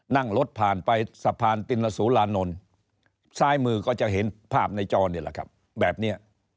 นั่งรถผ่านไปสะพานตินสุรานนท์ซ้ายมือก็จะเห็นภาพในจอนี่แหละครับแบบนี้